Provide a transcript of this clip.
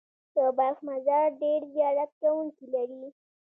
د بلخ مزار ډېر زیارت کوونکي لري.